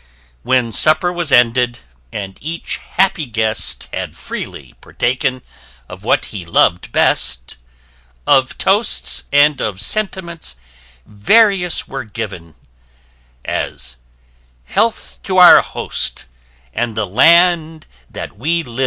When supper was ended, and each happy guest Had freely partaken of what he lov'd best; Of toasts and of sentiments various were giv'n; As "Health to our Host, and the Land that we live in."